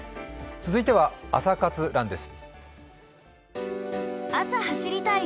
続いては「朝活ＲＵＮ」です。